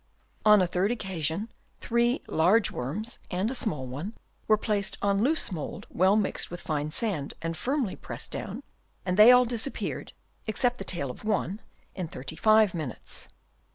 On a third oc casion three large worms and a small one were placed on loose mould well mixed with fine sand and firmly pressed down, and they all disappeared, except the tail of one, in 35 minutes.